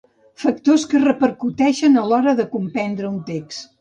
Factors que repercuteixen a l'hora de comprendre un text.